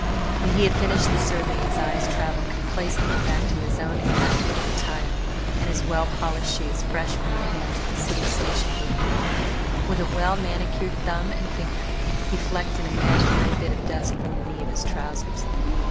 When he had finished the survey his eyes travelled complacently back to his own immaculate attire, and his well polished shoes fresh from the hands of the city station bootblack. With a well manicured thumb and finger he flecked an imaginary bit of dust from the knee of his trousers.